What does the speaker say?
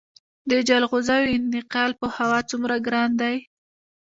د جلغوزیو انتقال په هوا څومره ګران دی؟